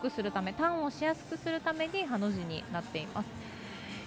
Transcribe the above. ターンをしやすくするためにハの字になっています。